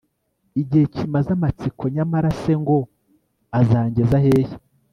igihe kimaze amatsiko nyamara se yo ngo azangeza hehe